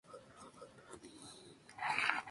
Jack fue un oficial e hijo mayor de la familia Holden.